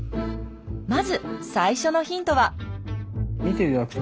まず最初のヒントは。